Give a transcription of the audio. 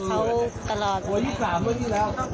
แต่ก็ไม่รู้เขาไม่ได้บอกว่ามีปัญหาอะไรหรอก